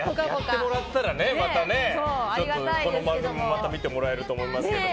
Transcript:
やってもらったらまたこの番組も見てもらえると思いますけど。